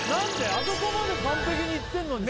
あそこまで完璧にいってんのにさ